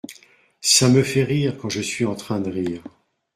Ça me fait rire quand je suis en train de rire !